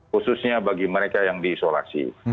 khususnya bagi mereka yang diisolasi